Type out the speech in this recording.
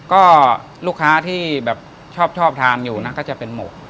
ก็ลูกค้าที่แบบชอบทานอยู่นะก็จะเป็นหมก